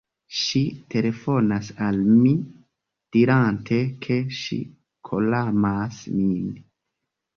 Ŝi telefonas al mi dirante ke ŝi koramas min